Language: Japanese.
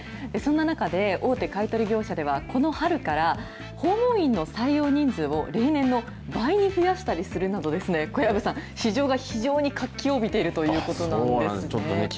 そんな中で、大手買い取り業者では、この春から、訪問員の採用人数を例年の倍に増やしたりするなど、小籔さん、市場が非常に活気を帯びているということなんですね。